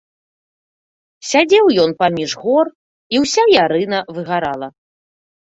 Сядзеў ён паміж гор, і ўся ярына выгарала.